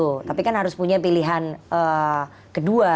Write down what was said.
pilihan utama itu kan harus punya pilihan kedua